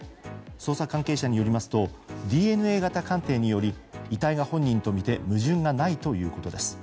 捜査関係者によりますとＤＮＡ型鑑定により遺体は本人とみて矛盾がないということです。